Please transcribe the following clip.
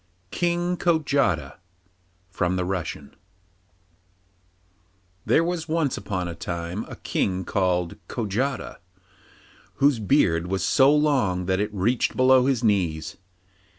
KING KOJATA (From the Russian) There was once upon a time a king called Kojata, whose beard was so long that it reached below his knees.